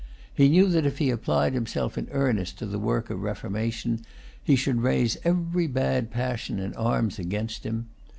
He knew that if he applied himself in earnest to the work of reformation, he should raise every bad passion in arms against him.